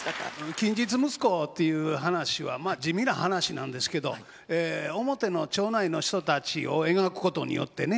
「近日息子」っていう噺はまあ地味な噺なんですけど表の町内の人たちを描くことによってね